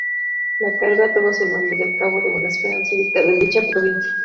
La carrera toma su nombre del Cabo de Buena Esperanza ubicado en dicha provincia.